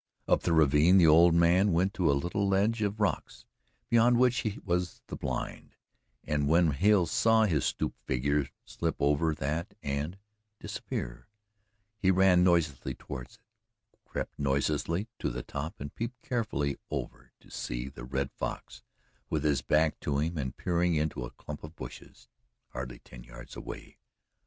Up the ravine the old man went to a little ledge of rocks, beyond which was the blind, and when Hale saw his stooped figure slip over that and disappear, he ran noiselessly toward it, crept noiselessly to the top and peeped carefully over to see the Red Fox with his back to him and peering into a clump of bushes hardly ten yards away.